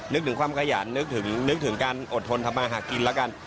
นึกถึงความขยันนึกถึงนึกถึงการอดทนทำมาหากินแล้วกัน